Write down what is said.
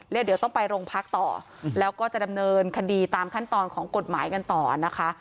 แล้วเดี๋ยวต้องไปโรงพักต่อแล้วก็จะดำเนินคดีตามขั้นตอนของกฎหมายกันต่อนะคะ